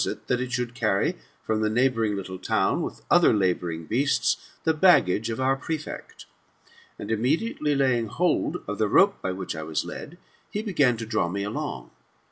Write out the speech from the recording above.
1 66 THE MSTAMORPHOSIS, OR that it should carry, from the neighbouring little town, with other labouring bottts, the baggage of our prefect." And, immediately laying hold of the rope by which I was led, he began to draw me along.